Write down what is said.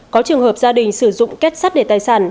có trường hợp gia đình sử dụng kết sắt để tài sản